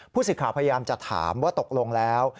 สิทธิ์พยายามจะถามว่าตกลงแล้ว